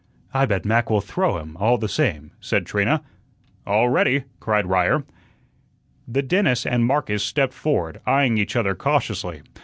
"I bet Mac will throw him, all the same," said Trina. "All ready!" cried Ryer. The dentist and Marcus stepped forward, eyeing each other cautiously.